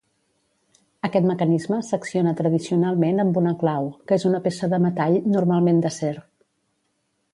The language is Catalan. Aquest mecanisme s'acciona tradicionalment amb una clau, que és una peça de metall, normalment d'acer.